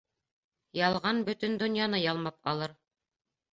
Ялған бөтөн донъяны ялмап алыр.